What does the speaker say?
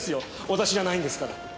私じゃないんですから。